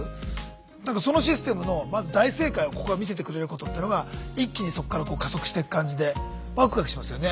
そのシステムのまず大正解をここが見せてくれることっていうのが一気にそこから加速してく感じでワクワクしますよね。